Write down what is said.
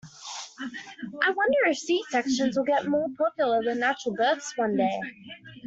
I wonder if C-sections will get more popular than natural births one day.